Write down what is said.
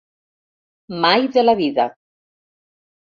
Mai de la vida.